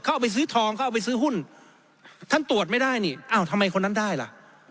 เอาไปซื้อทองเข้าไปซื้อหุ้นท่านตรวจไม่ได้นี่อ้าวทำไมคนนั้นได้ล่ะ